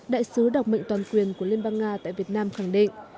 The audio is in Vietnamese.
đại sứ đặc mệnh toàn quyền của liên bang nga tại việt nam khẳng định